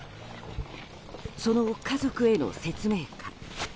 その家族への説明会。